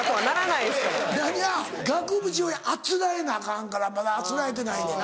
いや額縁をあつらえなアカンからまだあつらえてないねん。